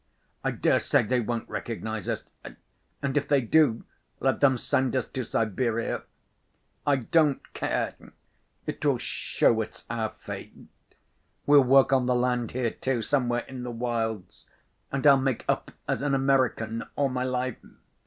I dare say they won't recognize us. And if they do, let them send us to Siberia. I don't care. It will show it's our fate. We'll work on the land here, too, somewhere in the wilds, and I'll make up as an American all my life.